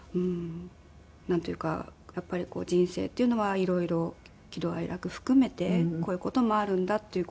なんというかやっぱりこう人生っていうのは色々喜怒哀楽含めてこういう事もあるんだという事を。